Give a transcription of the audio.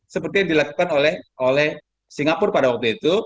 seperti yang dilakukan oleh singapura pada waktu itu